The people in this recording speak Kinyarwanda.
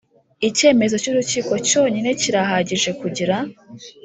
Icyemezo cy urukiko cyonyine kirahagije kugira